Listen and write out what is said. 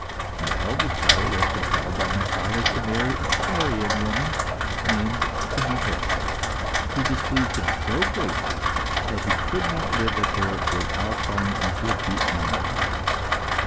My eldest brother was compelled by my father to marry a Carian woman, named Timaessa, who displeased him so greatly that he could not live with her without falling into a deep melancholy.